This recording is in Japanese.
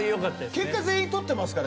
結果全員採ってますから。